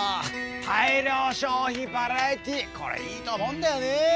大量消費バラエティこれいいと思うんだよね！